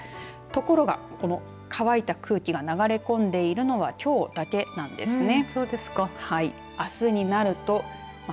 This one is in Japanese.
ところがこの乾いた空気が流れ込んでいるのはきょうだけなんですね。